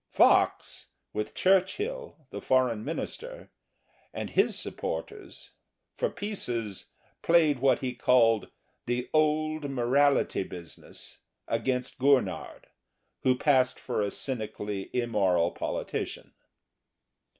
Fox, with Churchill, the Foreign Minister, and his supporters, for pieces, played what he called "the Old Morality business" against Gurnard, who passed for a cynically immoral politician.